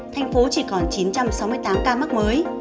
tp hcm chỉ còn chín trăm sáu mươi tám ca mắc mới